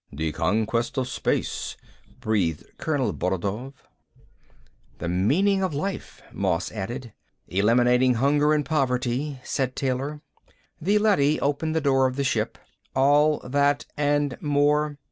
"The conquest of space," breathed Colonel Borodoy. "The meaning of life," Moss added. "Eliminating hunger and poverty," said Taylor. The leady opened the door of the ship. "All that and more.